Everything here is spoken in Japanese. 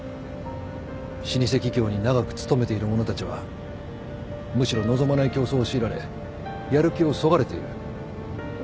老舗企業に長く勤めている者たちはむしろ望まない競争を強いられやる気をそがれている。